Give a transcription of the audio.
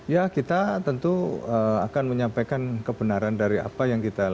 ya kita tentu akan menyampaikan kebenaran dari apa yang kita lakukan